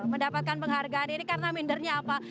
mendapatkan penghargaan ini karena mindernya apa